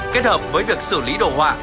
kết hợp với việc xử lý đồ họa